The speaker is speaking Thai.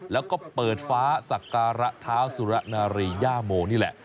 แล้วก็เปิดฟ้าสักการะเท้าสุระนารีย่าโมนี่แหละ